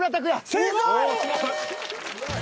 正解！